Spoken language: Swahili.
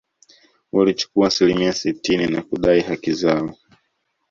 Walichukua asilimia sitini na kudai haki zao